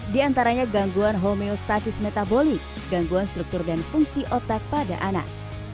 di antaranya gangguan homeostatis metabolik gangguan struktur dan fungsi otak pada anak